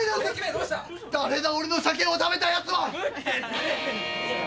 誰だ俺のサケを食べたやつは！